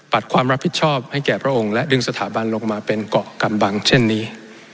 ความรับผิดชอบให้แก่พระองค์และดึงสถาบันลงมาเป็นเกาะกำบังเช่นนี้